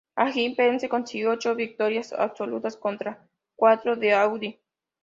Así, Penske consiguió ocho victorias absolutas contra cuatro de Audi.